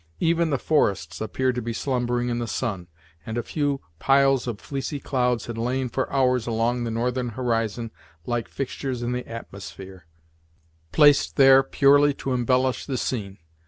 Even the forests appeared to be slumbering in the sun, and a few piles of fleecy clouds had lain for hours along the northern horizon like fixtures in the atmosphere, placed there purely to embellish the scene.